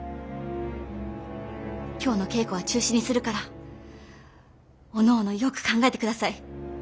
今日の稽古は中止にするからおのおのよく考えてください。